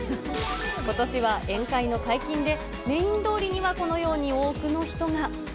ことしは宴会の解禁で、メイン通りには、このように多くの人が。